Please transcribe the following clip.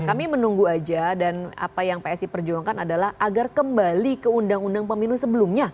kami menunggu aja dan apa yang psi perjuangkan adalah agar kembali ke undang undang pemilu sebelumnya